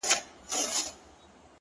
o څه دي راوکړل د قرآن او د ګیتا لوري،